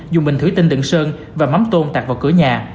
dùng bình thủy tinh đựng sơn và mắm tôm tạt vào cửa nhà